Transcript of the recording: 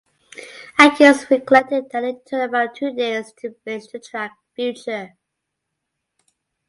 Atkins recollected that it took about two days to finish the track "Future".